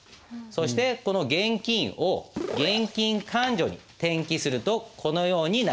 そしてこの現金を現金勘定に転記するとこのようになります。